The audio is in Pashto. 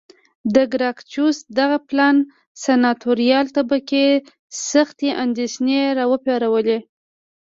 د ګراکچوس دغه پلان سناتوریال طبقې سختې اندېښنې را وپارولې